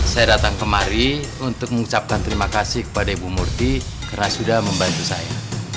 saya datang kemari untuk mengucapkan terima kasih kepada ibu murti karena sudah membantu saya